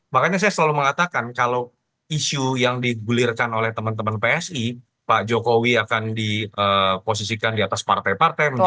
makanya saya selalu mengatakan kalau isu yang digulirkan oleh teman teman psi pak jokowi akan diposisikan di atas partai partai